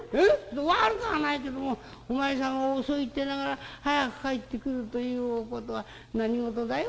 『悪くはないけどもお前さんは遅いって言いながら早く帰ってくるということは何事だい？